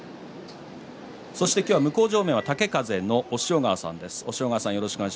向正面は豪風の押尾川さんです。